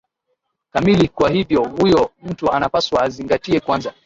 kamili kwa hivyo huyo mtu anapaswa azingatie kwanza